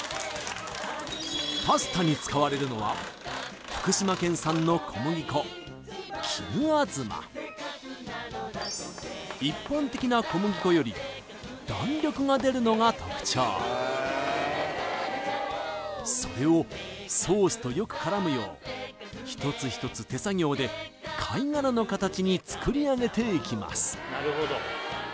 パスタに使われるのは福島県産の小麦粉きぬあずま一般的な小麦粉より弾力が出るのが特徴それをソースとよく絡むよう一つ一つ手作業で貝殻の形に作り上げていきます